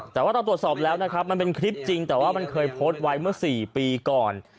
แต่ว่าเราตรวจสอบแล้วนะครับมันเป็นคลิปจริงแต่ว่ามันเคยโพสต์ไว้เมื่อ๔ปีก่อน